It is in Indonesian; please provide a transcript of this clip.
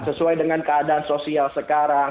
sesuai dengan keadaan sosial sekarang